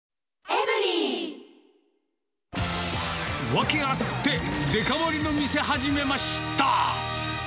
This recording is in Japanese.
ワケあってデカ盛りの店始めました！